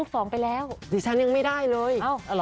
ที่ฉันยังไม่ได้เลย